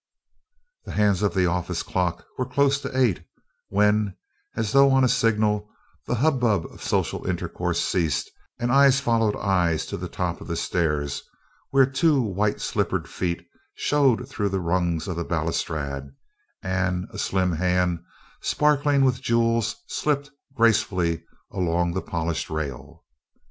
The hands of the office clock were close to eight when, as though on a signal, the hubbub of social intercourse ceased and eyes followed eyes to the top of the stairs where two white slippered feet showed through the rungs of the balustrade and a slim hand sparkling with jewels slipped gracefully along the polished rail.